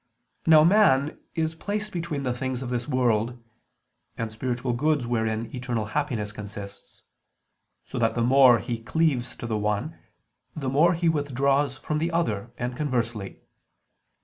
Now man is placed between the things of this world, and spiritual goods wherein eternal happiness consists: so that the more he cleaves to the one, the more he withdraws from the other, and conversely.